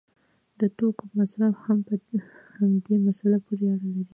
د توکو مصرف هم په همدې مسله پورې اړه لري.